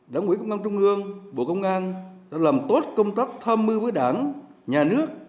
đảng quỹ công an trung ương bộ công an đã làm tốt công tác tham mưu với đảng nhà nước